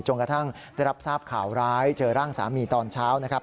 กระทั่งได้รับทราบข่าวร้ายเจอร่างสามีตอนเช้านะครับ